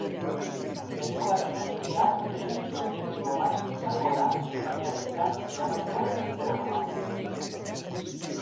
Medikuaren agiria elementu objektibo bat izango da epailearentzat erabakia hartzerakoan.